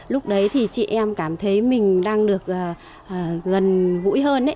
lúc đấy thì chị em cảm thấy mình đang được gần gũi hơn